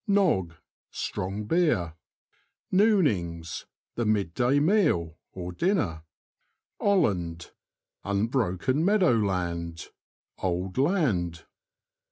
NoGG. — Strong beer. Noonings. — The mid day meal, dinner. Olland. — Unbroken meadow land, "old land."